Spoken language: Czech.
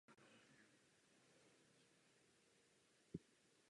Narodil se v Praze do známé české herecké rodiny.